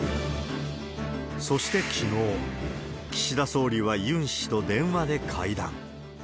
そしてきのう、岸田総理はユン氏と電話で会談。